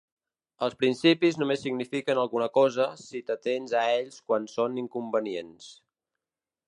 “Els principis només signifiquen alguna cosa, si t’atens a ells quan son inconvenients”.